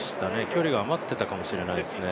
距離が余ってたかもしれないですね。